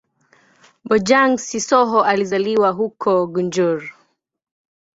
Bojang-Sissoho alizaliwa huko Gunjur.